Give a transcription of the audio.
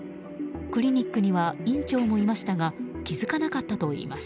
クリニックには院長もいましたが気づかなかったといいます。